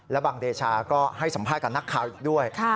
บางเดชาก็ให้สัมภาษณ์กับนักข่าวอีกด้วย